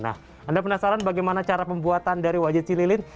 nah anda penasaran bagaimana cara pembuatan dari wajit cililin